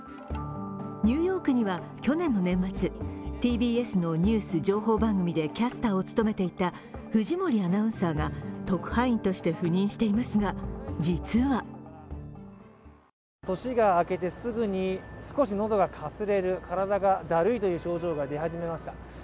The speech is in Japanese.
ニューヨークには去年の年末、ＴＢＳのニュース・情報番組でキャスターを務めていた藤森アナウンサーが特派員として赴任していますが、実は年が明けてすぐに少し喉がかすれる、体がだるいという症状が出ました。